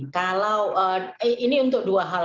kalau ini untuk dua hal